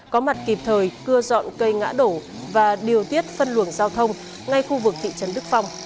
có mặt kịp thời cưa dọn cây ngã đổ và điều tiết phân luồng giao thông ngay khu vực thị trấn đức phong